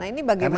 nah ini bagaimana